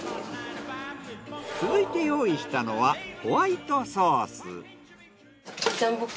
続いて用意したのはホワイトソース。